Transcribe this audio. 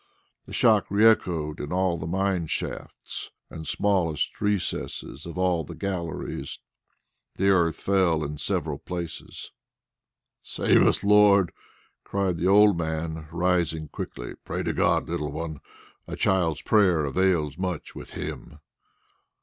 The shock re echoed in all the mine shafts and smallest recesses of all the galleries. The earth fell in in several places. "Save us, Lord!" cried the old man, rising quickly. "Pray to God, little one. A child's prayer avails much with Him."